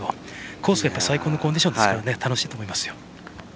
コースが最高のコンディションですから楽しいと思いますよ。